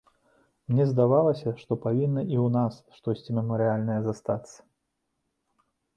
Мне здавалася, што павінна і ў нас штосьці мемарыяльнае застацца.